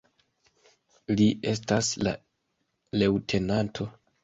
Li estas ja leŭtenanto.